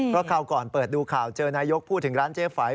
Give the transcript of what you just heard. เพราะคราวก่อนเปิดดูข่าวเจอนายกพูดถึงร้านเจ๊ไฝ